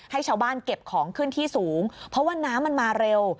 ให้ชาวบ้านเก็บของขึ้นที่สูงเพราะว่าน้ำมันมาเร็ว